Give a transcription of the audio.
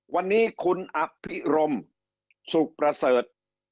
วันนี้คุณอภิรมสุขประเสริฐ